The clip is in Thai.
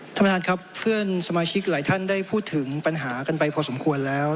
ท่านประธานครับเพื่อนสมาชิกหลายท่านได้พูดถึงปัญหากันไปพอสมควรแล้ว